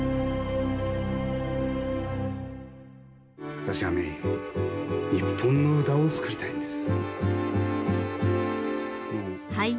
私はね日本の歌を作りたいんです。